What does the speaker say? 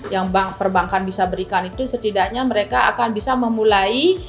yang bank perbankan bisa berikan itu setidaknya mereka akan bisa memulai